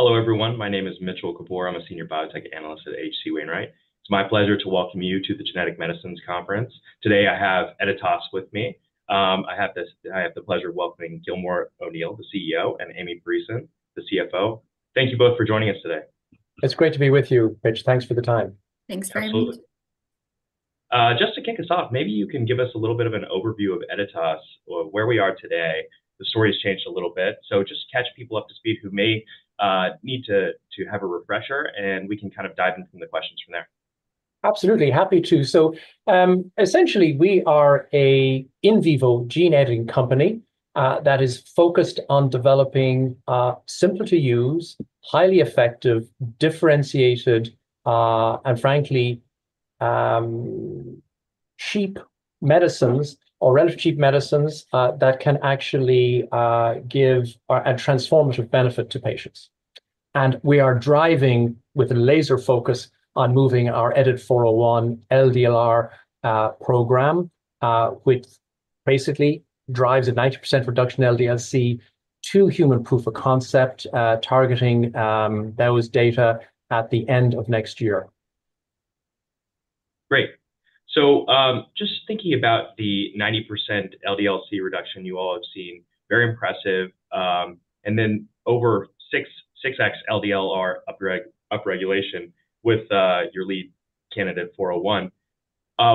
Hello, everyone. My name is Mitchell Kapoor. I'm a senior biotech analyst at H.C. Wainwright. It's my pleasure to welcome you to the Genetic Medicines Conference. Today, I have Editas with me. I have the pleasure of welcoming Gilmore O'Neill, the CEO, and Amy Parison, the CFO. Thank you both for joining us today. It's great to be with you, Mitch. Thanks for the time. Thanks friend. Absolutely. Just to kick us off, maybe you can give us a little bit of an overview of Editas, where we are today. The story has changed a little bit so just catch people up to speed who may need to have a refresher, and we can kind of dive in from the questions from there. Absolutely. Happy to. So essentially, we are an in vivo gene editing company that is focused on developing simple-to-use, highly effective, differentiated, and frankly, cheap medicines, or relatively cheap medicines that can actually give a transformative benefit to patients. And we are driving, with a laser focus, on moving our EDIT-401 LDLR program, which basically drives a 90% reduction in LDLC to human proof-of-concept, targeting those data at the end of next year. Great. So just thinking about the 90% LDLC reduction you all have seen, very impressive, and then over 6x LDLR upregulation with your lead candidate, 401.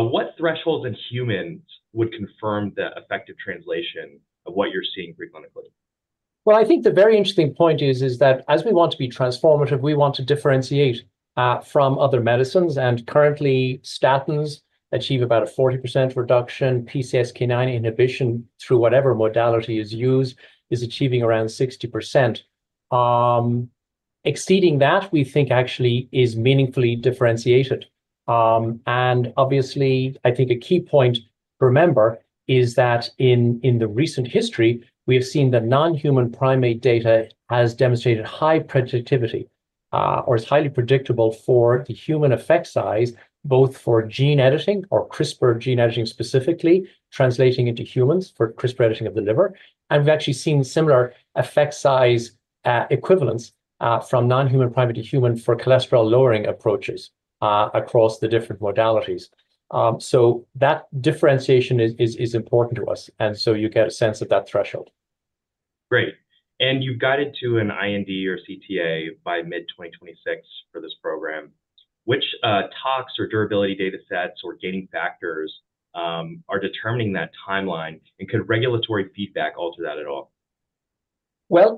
What thresholds in humans would confirm the effective translation of what you're seeing preclinically? Well, I think the very interesting point is that as we want to be transformative, we want to differentiate from other medicines. And currently, statins achieve about a 40% reduction. PCSK9 inhibition, through whatever modality is used, is achieving around 60%. Exceeding that, we think, actually, is meaningfully differentiated. Obviously, I think a key point to remember is that in the recent history, we have seen that non-human primate data has demonstrated high predictivity, or is highly predictable for the human effect size, both for gene editing, or CRISPR gene editing specifically, translating into humans for CRISPR editing of the liver. And we've actually seen similar effect size equivalents from non-human primate to human for cholesterol-lowering approaches across the different modalities. So that differentiation is important to us. And so you get a sense of that threshold. Great, and you've got it to an IND or CTA by mid-2026 for this program. Which tox or durability data sets or gating factors are determining that timeline, and could regulatory feedback alter that at all?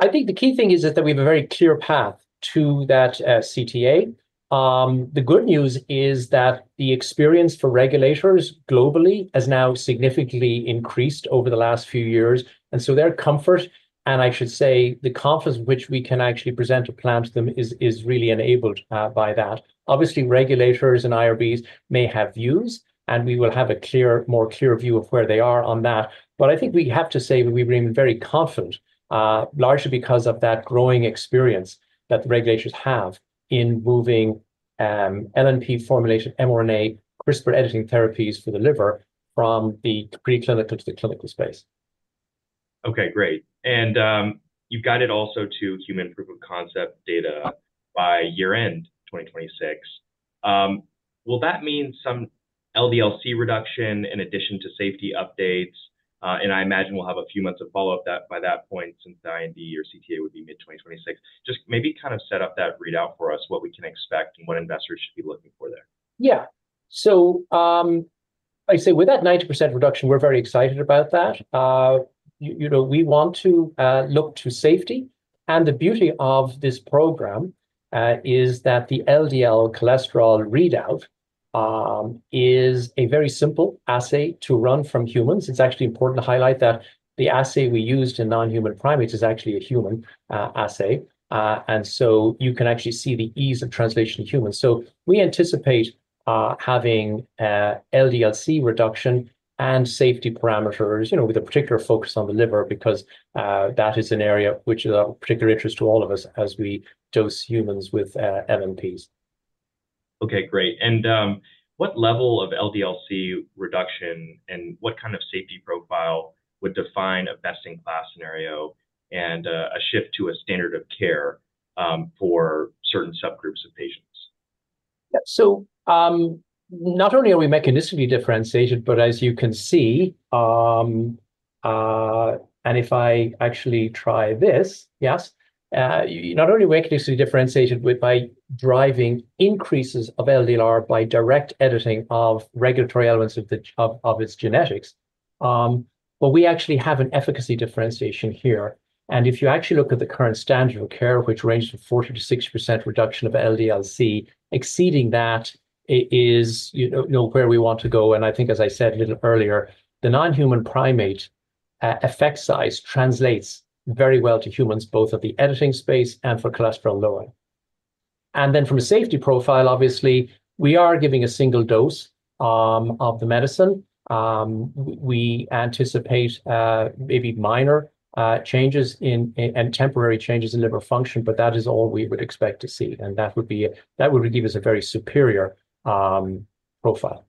I think the key thing is that we have a very clear path to that CTA. The good news is that the experience for regulators globally has now significantly increased over the last few years. And so their comfort, and I should say the confidence with which we can actually present a plan to them is really enabled by that. Obviously, regulators and IRBs may have views, and we will have a clear, more clear view of where they are on that. But I think we have to say that we remain very confident, largely because of that growing experience that the regulators have in moving LNP formulated mRNA CRISPR editing therapies for the liver from the preclinical to the clinical space. OK, great. And you've got it also to human proof-of-concept data by year-end 2026. Will that mean some LDLC reduction in addition to safety updates? And I imagine we'll have a few months of follow-up by that point, since the IND or CTA would be mid-2026. Just maybe kind of set up that readout for us, what we can expect and what investors should be looking for there. Yeah. So I say with that 90% reduction, we're very excited about that. We want to look to safety. And the beauty of this program is that the LDL cholesterol readout is a very simple assay to run from humans. It's actually important to highlight that the assay we used in non-human primates is actually a human assay. And so you can actually see the ease of translation in humans. So we anticipate having LDLC reduction and safety parameters with a particular focus on the liver, because that is an area which is of particular interest to all of us as we dose humans with LNPs. OK, great. And what level of LDLC reduction and what kind of safety profile would define a best-in-class scenario and a shift to a standard of care for certain subgroups of patients? So not only are we mechanistically differentiated, but as you can see, and if I actually try this, yes, not only mechanistically differentiated by driving increases of LDLR by direct editing of regulatory elements of its genetics, but we actually have an efficacy differentiation here, and if you actually look at the current standard of care, which ranges from 40%-60% reduction of LDLC, exceeding that is where we want to go, and I think, as I said a little earlier, the non-human primate effect size translates very well to humans, both at the editing space and for cholesterol-lowering, and then from a safety profile, obviously, we are giving a single dose of the medicine. We anticipate maybe minor changes and temporary changes in liver function, but that is all we would expect to see, and that would give us a very superior profile.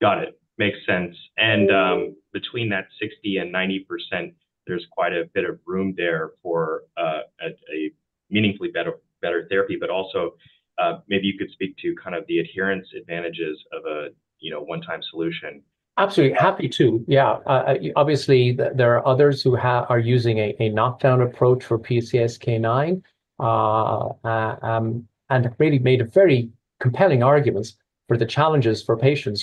Got it. Makes sense, and between that 60% and 90%, there's quite a bit of room there for a meaningfully better therapy, but also, maybe you could speak to kind of the adherence advantages of a one-time solution. Absolutely. Happy to. Yeah. Obviously, there are others who are using a knockdown approach for PCSK9 and have really made very compelling arguments for the challenges for patients.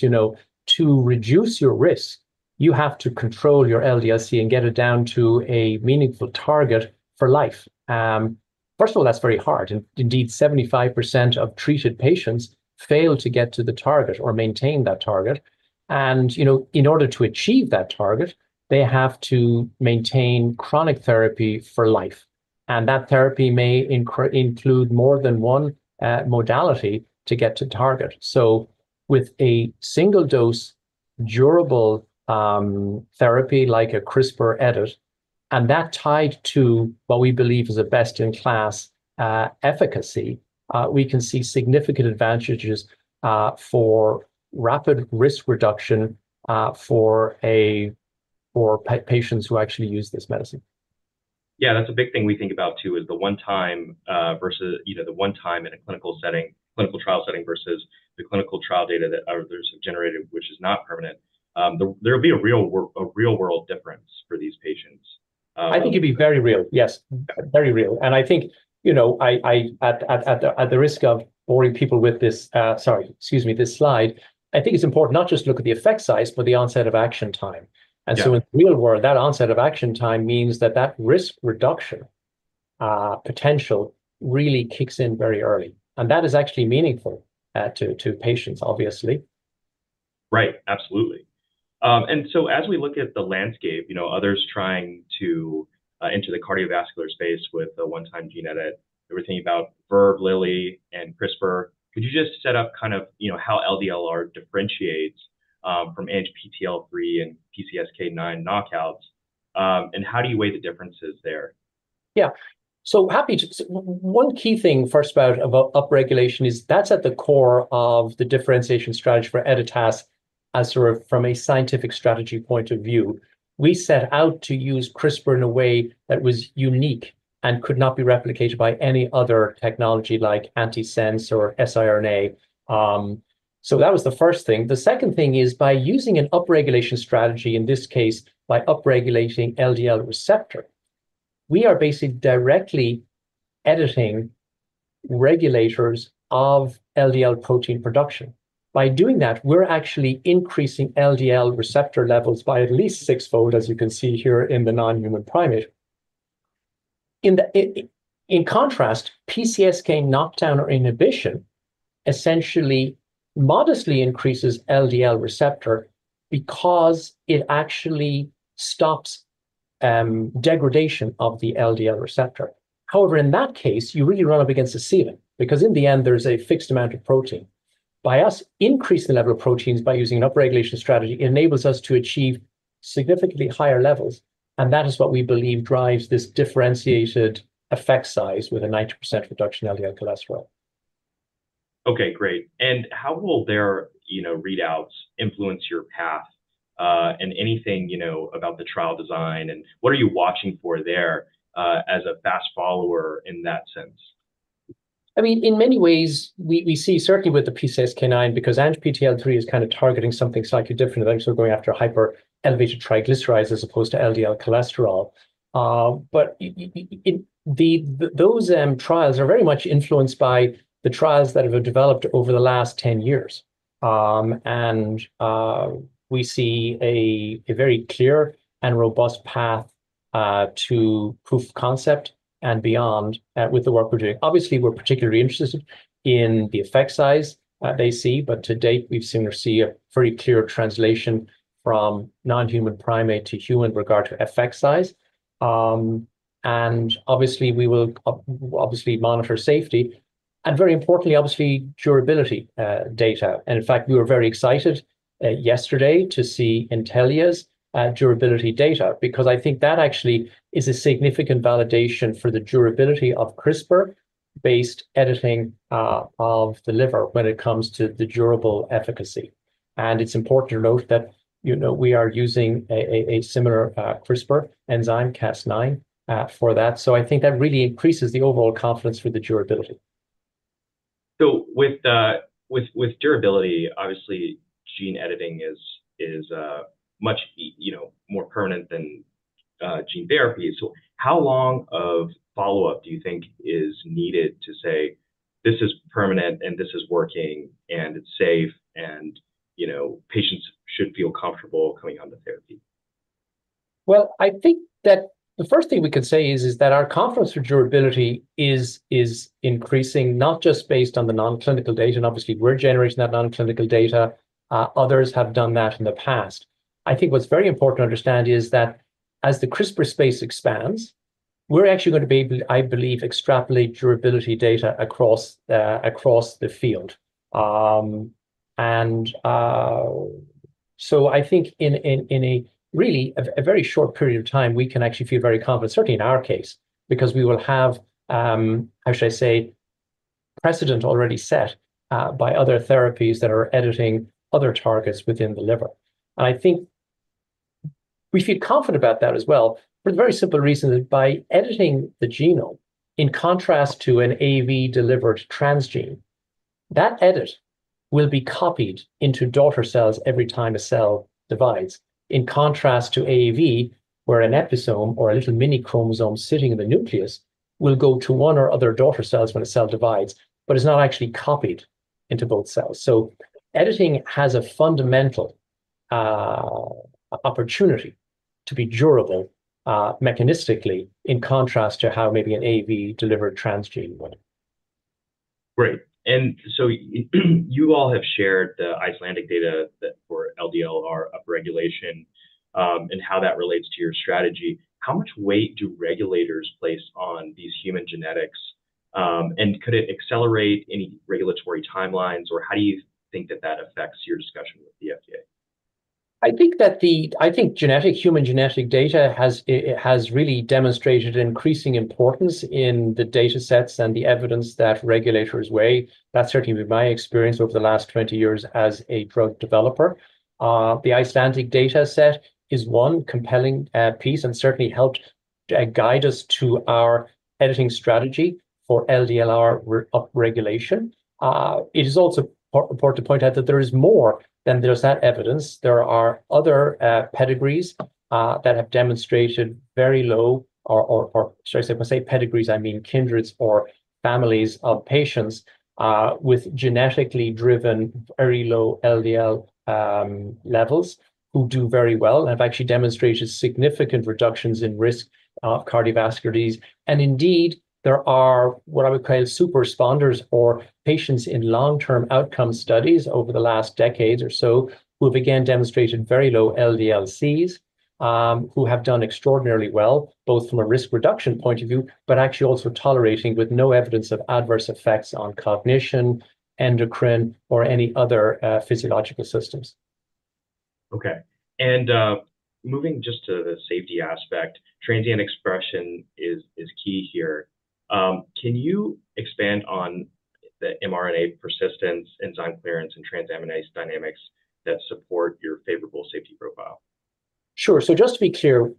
To reduce your risk, you have to control your LDLC and get it down to a meaningful target for life. First of all, that's very hard. Indeed, 75% of treated patients fail to get to the target or maintain that target, and in order to achieve that target, they have to maintain chronic therapy for life, and that therapy may include more than one modality to get to target, so with a single dose durable therapy like a CRISPR edit, and that tied to what we believe is a best-in-class efficacy, we can see significant advantages for rapid risk reduction for patients who actually use this medicine. Yeah, that's a big thing we think about, too, is the one-time versus the one-time in a clinical setting, clinical trial setting versus the clinical trial data that others have generated, which is not permanent. There will be a real-world difference for these patients. I think it'd be very real, yes, very real, and I think, at the risk of boring people with this, sorry, excuse me, this slide, I think it's important not just to look at the effect size, but the onset of action time, and so in the real world, that onset of action time means that that risk reduction potential really kicks in very early, and that is actually meaningful to patients, obviously. Right, absolutely. And so as we look at the landscape, others trying to enter the cardiovascular space with a one-time gene edit, we're thinking about Verve, Lily, and CRISPR. Could you just set up kind of how LDLR differentiates from ANGPTL3 and PCSK9 knockouts? And how do you weigh the differences there? Yeah. So one key thing first about upregulation is that's at the core of the differentiation strategy for Editas as sort of from a scientific strategy point of view. We set out to use CRISPR in a way that was unique and could not be replicated by any other technology like Antisense or siRNA. So that was the first thing. The second thing is by using an upregulation strategy, in this case, by upregulating LDL receptor, we are basically directly editing regulators of LDL protein production. By doing that, we're actually increasing LDL receptor levels by at least sixfold, as you can see here in the non-human primate. In contrast, PCSK9 knockdown or inhibition essentially modestly increases LDL receptor because it actually stops degradation of the LDL receptor. However, in that case, you really run up against a ceiling, because in the end, there's a fixed amount of protein. By us increasing the level of proteins by using an upregulation strategy, it enables us to achieve significantly higher levels. And that is what we believe drives this differentiated effect size with a 90% reduction in LDL cholesterol. OK, great. And how will their readouts influence your path and anything about the trial design? And what are you watching for there as a fast follower in that sense? I mean, in many ways, we see certainly with the PCSK9, because ANGPTL3 is kind of targeting something slightly different. They're also going after hyperelevated triglycerides as opposed to LDL cholesterol, but those trials are very much influenced by the trials that have been developed over the last 10 years, and we see a very clear and robust path to proof of concept and beyond with the work we're doing. Obviously, we're particularly interested in the effect size they see, but to date, we've seen or see a very clear translation from non-human primate to human in regard to effect size, and obviously, we will obviously monitor safety and, very importantly, obviously, durability data. And in fact, we were very excited yesterday to see Intellia's durability data, because I think that actually is a significant validation for the durability of CRISPR-based editing of the liver when it comes to the durable efficacy. And it's important to note that we are using a similar CRISPR enzyme, Cas9, for that. So I think that really increases the overall confidence for the durability. So with durability, obviously, gene editing is much more permanent than gene therapy. So how long of follow-up do you think is needed to say, this is permanent, and this is working, and it's safe, and patients should feel comfortable coming on to therapy? Well, I think that the first thing we can say is that our confidence for durability is increasing, not just based on the non-clinical data. And obviously, we're generating that non-clinical data. Others have done that in the past. I think what's very important to understand is that as the CRISPR space expands, we're actually going to be able to, I believe, extrapolate durability data across the field. And so I think in a really very short period of time, we can actually feel very confident, certainly in our case, because we will have, how should I say, precedent already set by other therapies that are editing other targets within the liver. I think we feel confident about that as well for the very simple reason that by editing the genome, in contrast to an AAV delivered transgene, that edit will be copied into daughter cells every time a cell divides, in contrast to AAV, where an episome or a little mini chromosome sitting in the nucleus will go to one or other daughter cells when a cell divides, but it's not actually copied into both cells. So editing has a fundamental opportunity to be durable mechanistically in contrast to how maybe an AAV delivered transgene would. Great. And so you all have shared the Icelandic data for LDLR upregulation and how that relates to your strategy. How much weight do regulators place on these human genetics? And could it accelerate any regulatory timelines? Or how do you think that that affects your discussion with the FDA? I think human genetic data has really demonstrated increasing importance in the data sets and the evidence that regulators weigh. That's certainly been my experience over the last 20 years as a drug developer. The Icelandic data set is one compelling piece and certainly helped guide us to our editing strategy for LDLR upregulation. It is also important to point out that there is more than just that evidence. There are other pedigrees that have demonstrated very low, or should I say, when I say pedigrees, I mean kindreds or families of patients with genetically driven very low LDL levels who do very well and have actually demonstrated significant reductions in risk of cardiovascular disease. Indeed, there are what I would call super responders or patients in long-term outcome studies over the last decade or so who have again demonstrated very low LDLCs, who have done extraordinarily well, both from a risk reduction point of view, but actually also tolerating with no evidence of adverse effects on cognition, endocrine, or any other physiological systems. Okay. And moving just to the safety aspect, transient expression is key here. Can you expand on the mRNA persistence, enzyme clearance, and transaminase dynamics that support your favorable safety profile? Sure. So just to be clear,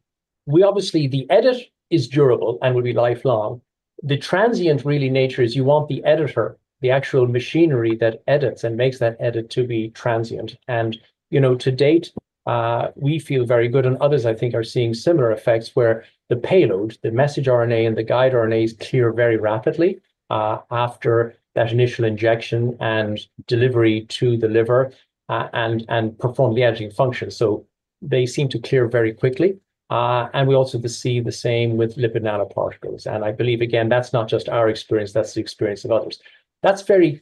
we obviously, the edit is durable and will be lifelong. The transient, really, nature is you want the editor, the actual machinery that edits and makes that edit to be transient. And to date, we feel very good. And others, I think, are seeing similar effects where the payload, the messenger RNA and the guide RNAs clear very rapidly after that initial injection and delivery to the liver and perform the editing function. So they seem to clear very quickly. We also see the same with lipid nanoparticles. And I believe, again, that's not just our experience. That's the experience of others. That's very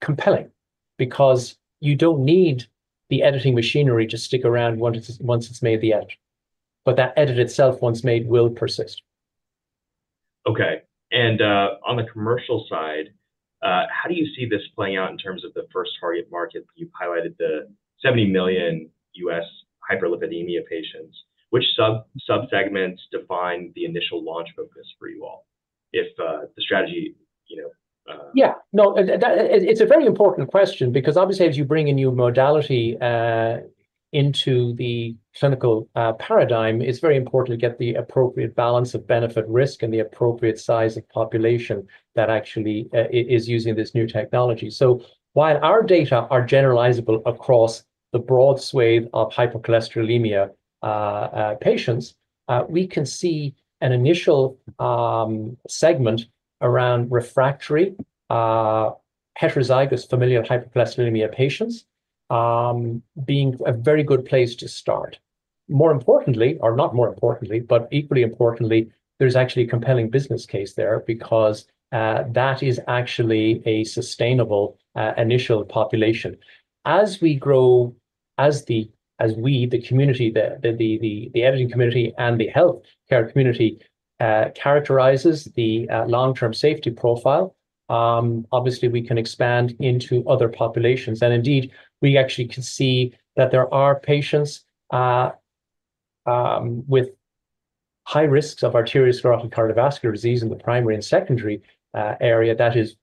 compelling because you don't need the editing machinery to stick around once it's made the edit. But that edit itself, once made, will persist. OK. And on the commercial side, how do you see this playing out in terms of the first target market? You've highlighted the 70 million U.S. hyperlipidemia patients. Which subsegments define the initial launch focus for you all, of the strategy? Yeah. No, it's a very important question because obviously, as you bring a new modality into the clinical paradigm, it's very important to get the appropriate balance of benefit risk and the appropriate size of population that actually is using this new technology. So while our data are generalizable across the broad swath of hypercholesterolemia patients, we can see an initial segment around refractory heterozygous familial hypercholesterolemia patients being a very good place to start. More importantly, or not more importantly, but equally importantly, there's actually a compelling business case there because that is actually a sustainable initial population. As we grow, as we, the community, the editing community, and the health care community characterizes the long-term safety profile, obviously, we can expand into other populations. Indeed, we actually can see that there are patients with high risks of arteriosclerotic cardiovascular disease in the primary and secondary area that is,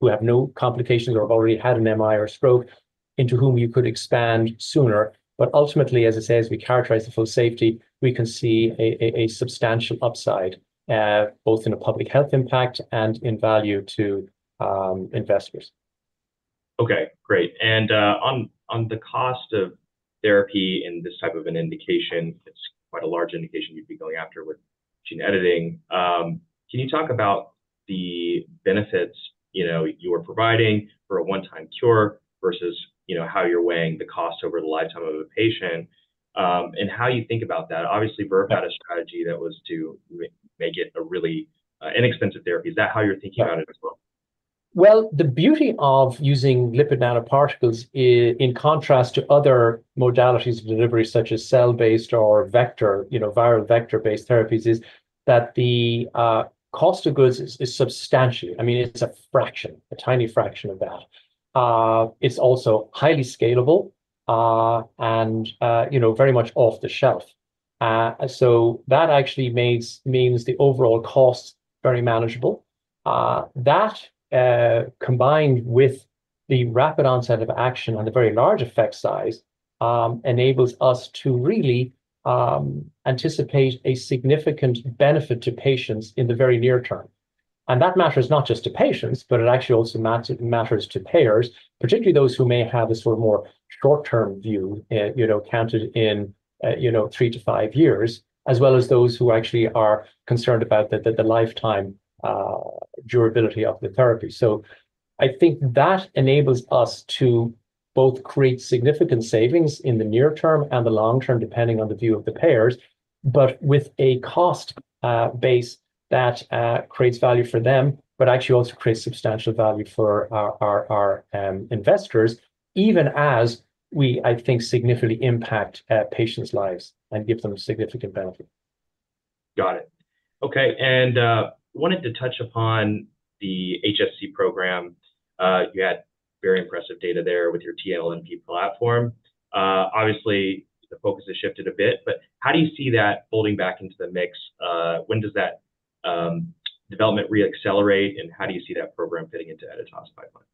who have no complications or have already had an MI or stroke, into whom you could expand sooner. Ultimately, as I say, as we characterize the full safety, we can see a substantial upside, both in a public health impact and in value to investors. Okay, great. And on the cost of therapy in this type of an indication, it's quite a large indication you'd be going after with gene editing. Can you talk about the benefits you are providing for a one-time cure versus how you're weighing the cost over the lifetime of a patient and how you think about that? Obviously, Verve had a strategy that was to make it a really inexpensive therapy. Is that how you're thinking about it as well? The beauty of using lipid nanoparticles in contrast to other modalities of delivery, such as cell-based or vector, viral vector-based therapies, is that the cost of goods is substantial. I mean, it's a fraction, a tiny fraction of that. It's also highly scalable and very much off the shelf. That actually means the overall cost very manageable. That, combined with the rapid onset of action and the very large effect size, enables us to really anticipate a significant benefit to patients in the very near term. That matters not just to patients, but it actually also matters to payers, particularly those who may have a sort of more short-term view counted in three to five years, as well as those who actually are concerned about the lifetime durability of the therapy. So I think that enables us to both create significant savings in the near term and the long term, depending on the view of the payers, but with a cost base that creates value for them, but actually also creates substantial value for our investors, even as we, I think, significantly impact patients' lives and give them significant benefit. Got it. Okay. And I wanted to touch upon the HSC program. You had very impressive data there with your tLNP platform. Obviously, the focus has shifted a bit. But how do you see that folding back into the mix? When does that development reaccelerate? And how do you see that program fitting into Editas' pipeline?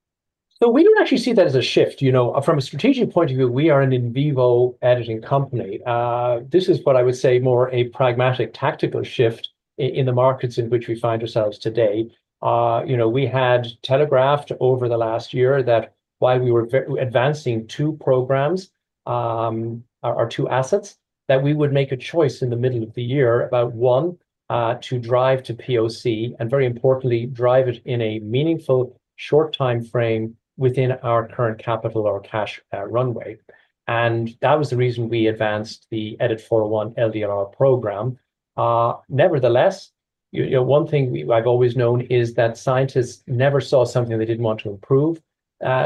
So we don't actually see that as a shift. From a strategic point of view, we are an in vivo editing company. This is what I would say more a pragmatic tactical shift in the markets in which we find ourselves today. We had telegraphed over the last year that while we were advancing two programs, our two assets, that we would make a choice in the middle of the year about, one, to drive to POC and, very importantly, drive it in a meaningful short time frame within our current capital or cash runway. And that was the reason we advanced the EDIT-401 LDLR program. Nevertheless, one thing I've always known is that scientists never saw something they didn't want to improve.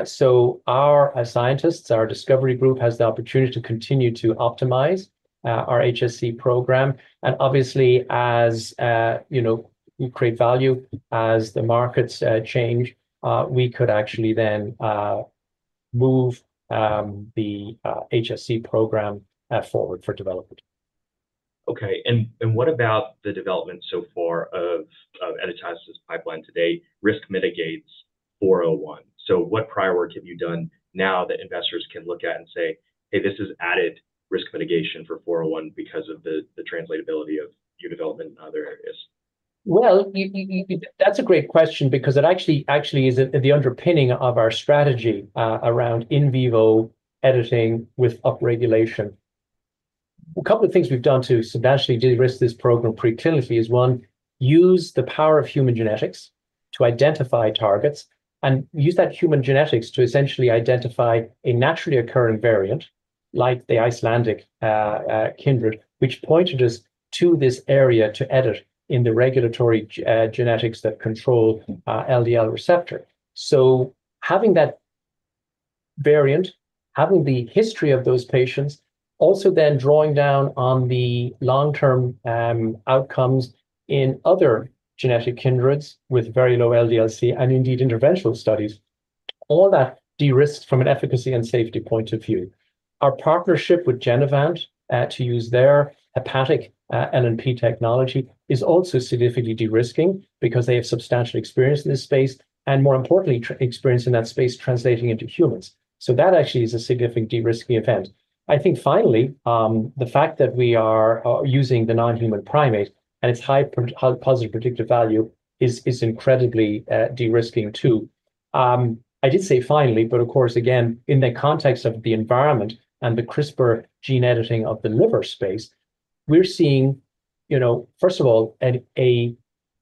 So our scientists, our discovery group, has the opportunity to continue to optimize our HSC program. Obviously, as we create value, as the markets change, we could actually then move the HSC program forward for development. Okay, and what about the development so far of Editas' pipeline today? Risk mitigants 401. so what prior work have you done now that investors can look at and say, hey, this has added risk mitigation for 401 because of the translatability of your development in other areas? That's a great question because it actually is the underpinning of our strategy around in vivo editing with upregulation. A couple of things we've done to substantially de-risk this program pre-clinically is, one, use the power of human genetics to identify targets and use that human genetics to essentially identify a naturally occurring variant, like the Icelandic kindred, which pointed us to this area to edit in the regulatory genetics that control LDL receptor. Having that variant, having the history of those patients, also then drawing down on the long-term outcomes in other genetic kindreds with very low LDLC and indeed interventional studies, all that de-risks from an efficacy and safety point of view. Our partnership with Genevant to use their hepatic LNP technology is also significantly de-risking because they have substantial experience in this space and, more importantly, experience in that space translating into humans. So that actually is a significant de-risking event. I think finally, the fact that we are using the non-human primate and its high positive predictive value is incredibly de-risking too. I did say finally, but of course, again, in the context of the environment and the CRISPR gene editing of the liver space, we're seeing, first of all, an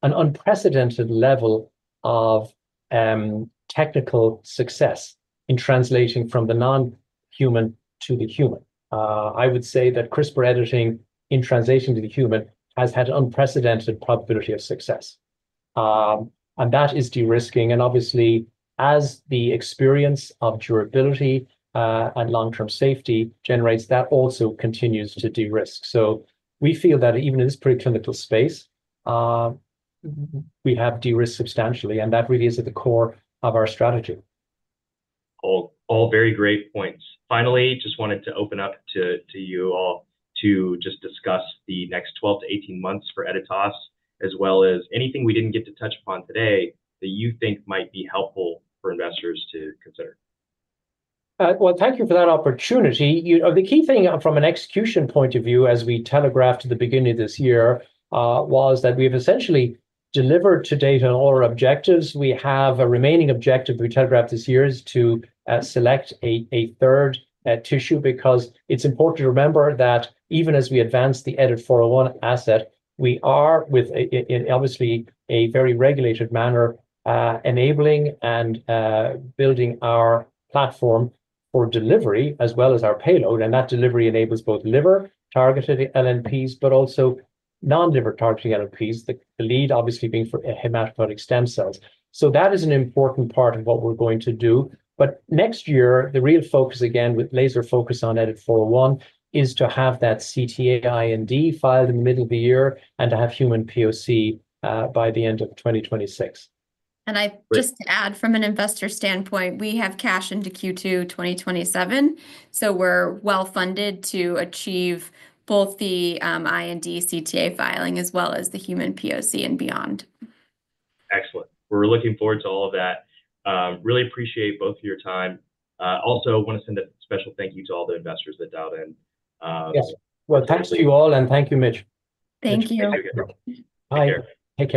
unprecedented level of technical success in translating from the non-human to the human. I would say that CRISPR editing in translation to the human has had an unprecedented probability of success. And that is de-risking. And obviously, as the experience of durability and long-term safety generates, that also continues to de-risk. So we feel that even in this pre-clinical space, we have de-risked substantially. And that really is at the core of our strategy. All very great points. Finally, just wanted to open up to you all to just discuss the next 12-18 months for Editas, as well as anything we didn't get to touch upon today that you think might be helpful for investors to consider. Well, thank you for that opportunity. The key thing from an execution point of view, as we telegraphed at the beginning of this year, was that we have essentially delivered today to all our objectives. We have a remaining objective we telegraphed this year, is to select a third tissue because it's important to remember that even as we advance the EDIT-401 asset, we are, obviously, in a very regulated manner, enabling and building our platform for delivery, as well as our payload, and that delivery enables both liver-targeted LNPs, but also non-liver-targeted LNPs, the lead obviously being for hematopoietic stem cells, so that is an important part of what we're going to do. But next year, the real focus, again, with laser focus on EDIT-401, is to have that CTA IND filed in the middle of the year and to have human POC by the end of 2026. And I just add, from an investor standpoint, we have cash into Q2 2027. So we're well funded to achieve both the IND CTA filing as well as the human POC and beyond. Excellent. We're looking forward to all of that. Really appreciate both of your time. Also, I want to send a special thank you to all the investors that dialed in. Yes, well, thanks to you all, and thank you, Mitch. Thank you. Take care. Bye. Take care.